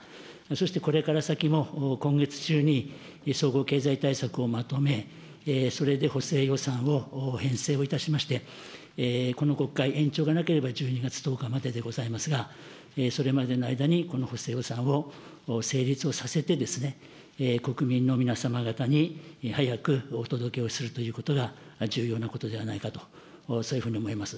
そしてこれから先も、今月中に総合経済対策をまとめ、それで補正予算を編成をいたしまして、この国会延長がなければ１２月１０日まででございますが、それまでの間にこの補正予算を成立をさせて、国民の皆様方に早くお届けをするということが重要なことではないかと、そういうふうに思います。